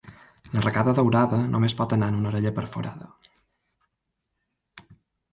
L'arracada daurada només pot anar en una orella perforada.